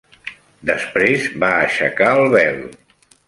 Després, va aixecar el vel.